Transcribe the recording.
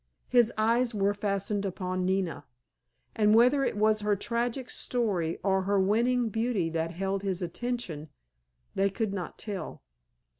His eyes were fastened upon Nina, and whether it was her tragic story or her winning beauty that held his attention they could not tell.